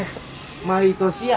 毎年や。